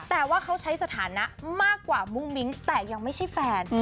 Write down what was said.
แต่ว่าเขาใช้สถานะมากกว่ามุ่งมิ้งแต่ยังไม่ใช่แฟน